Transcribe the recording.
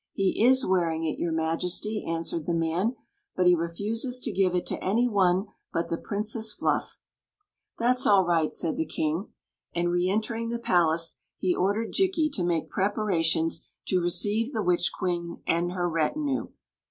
"He is wearing it, your Majesty," answered the man ;" but he refuses to give it to any one but the Princess Fluff." "That 's all right," said the king; and, reen, termg the palace, he ordered Jikki to make prep Story of the Magic Cloak a,. arations to receive the witch queen and her retinue.